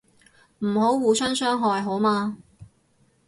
唔好互相傷害好嗎